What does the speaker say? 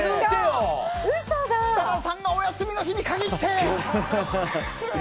設楽さんがお休みの日に限って。